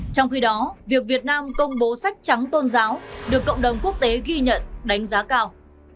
trong khi đó việc việt nam công bố sách trắng tôn giáo được cộng đồng quốc tế ghi nhận đánh giá cao